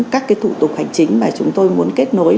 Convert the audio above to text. các thủ tục hành chính mà chúng tôi muốn kết nối